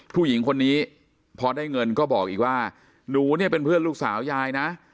ผู้หญิงคนนี้พอได้เงินก็บอกอีกว่าหนูเนี่ยเป็นเพื่อนลูกสาวยายนะ